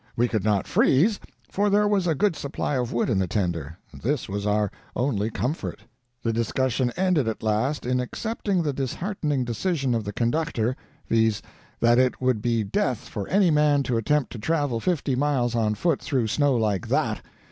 We could not freeze, for there was a good supply of wood in the tender. This was our only comfort. The discussion ended at last in accepting the disheartening decision of the conductor, viz., that it would be death for any man to attempt to travel fifty miles on foot through snow like that.